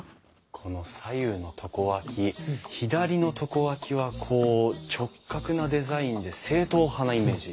この左右の床脇左の床脇は直角なデザインで正統派なイメージ。